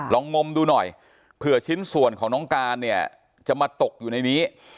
งมดูหน่อยเผื่อชิ้นส่วนของน้องการเนี่ยจะมาตกอยู่ในนี้